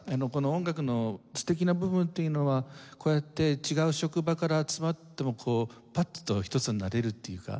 音楽の素敵な部分っていうのはこうやって違う職場から集まってもパッと一つになれるっていうか。